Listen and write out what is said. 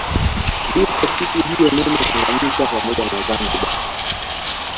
Ndipo siku hiyo neno Tanaganyika pamoja na Zanzibar